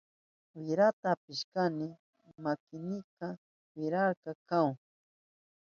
Wirata apishpayni makinika wirahlla kahun.